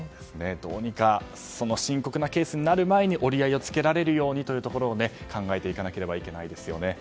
どうにか深刻なケースになる前に折り合いをつけられるようにというところを考えていかなければいけないですよね。